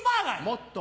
もっと。